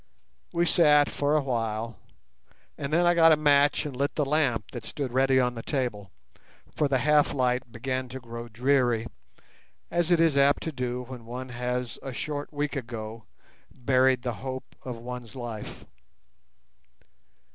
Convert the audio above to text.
We sat for a while, and then I got a match and lit the lamp that stood ready on the table, for the half light began to grow dreary, as it is apt to do when one has a short week ago buried the hope of one's life.